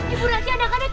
ibu ranti anak anak